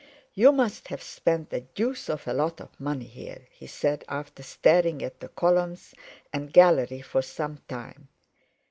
"You must have spent a deuce of a lot of money here," he said, after staring at the columns and gallery for some time.